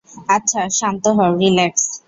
আচ্ছা, শান্ত হও, রিল্যাক্স।